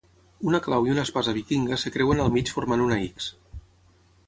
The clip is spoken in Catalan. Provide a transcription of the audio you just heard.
Una clau i una espasa vikinga es creuen al mig formant una x.